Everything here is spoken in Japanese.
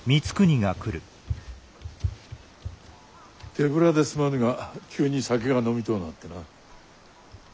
手ぶらですまぬが急に酒が飲みとうなってな。